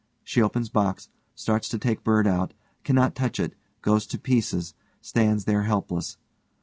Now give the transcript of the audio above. She opens box, starts to take bird out, cannot touch it, goes to pieces, stands there helpless.